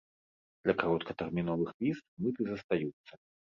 Для кароткатэрміновых віз мыты застаюцца.